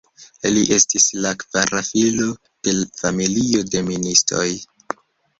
Li estis la kvara filo de familio de ministoj.